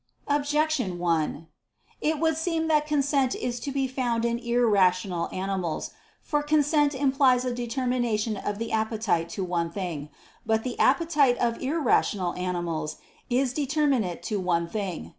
Objection 1: It would seem that consent is to be found in irrational animals. For consent implies a determination of the appetite to one thing. But the appetite of irrational animals is determinate to one thing.